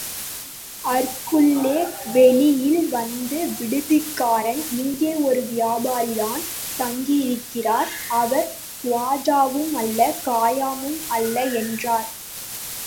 அற்குள்ளே வெளியில் வந்த் விடுதிக்காரன் இங்கே ஒரு வியாபாரிதான் தங்கியிருக்கிறார், அவர் குவாஜாவும் அல்ல கயாமும் அல்ல! என்றான்.